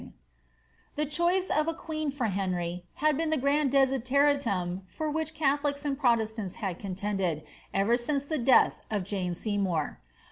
rE The choice of a queen for Henry had been the gnnd desidemtuiD for which catholics and proteatants had contended, ever since the death of Jane Seymour.